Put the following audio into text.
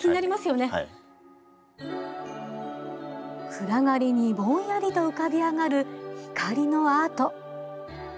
暗がりにぼんやりと浮かび上がる光のアート。